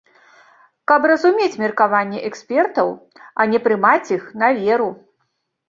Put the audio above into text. Каб разумець меркаванні экспертаў, а не прымаць іх на веру.